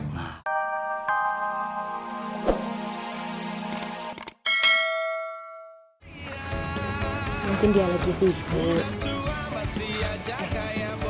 mungkin dia lagi sih bu